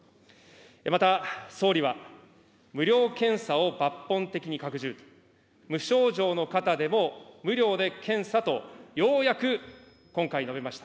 また総理は、無料検査を抜本的に拡充、無症状の方でも無料で検査とようやく今回、述べました。